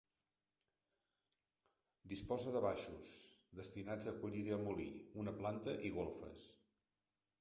Disposa de baixos, destinats a acollir-hi el molí, una planta i golfes.